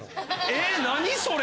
え何それ。